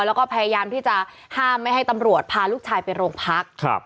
แล้วก็พยายามที่จะห้ามไม่ให้ตำรวจพาลูกชายไปโรงพักครับ